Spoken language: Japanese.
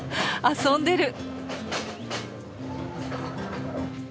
遊んでる！